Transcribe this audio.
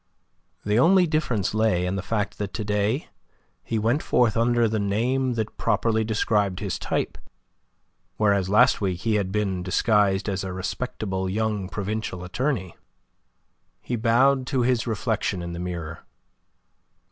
The only difference lay in the fact that to day he went forth under the name that properly described his type, whereas last week he had been disguised as a respectable young provincial attorney. He bowed to his reflection in the mirror.